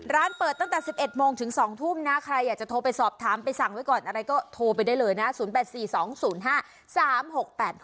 ร้านเปิดตั้งแต่๑๑โมงถึง๒ทุ่มนะใครอยากจะโทรไปสอบถามไปสั่งไว้ก่อนอะไรก็โทรไปได้เลยนะ๐๘๔๒๐๕๓๖๘๕